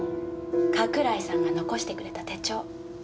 加倉井さんが残してくれた手帳。